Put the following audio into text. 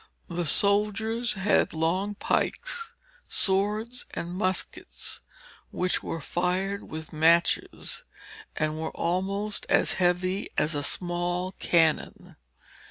The soldiers had long pikes, swords, and muskets, which were fired with matches, and were almost as heavy as a small cannon.